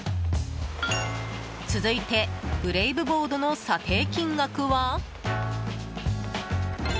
続いて、ブレイブボードの査定金額は？